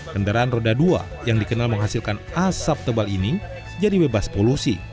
kendaraan roda dua yang dikenal menghasilkan asap tebal ini jadi bebas polusi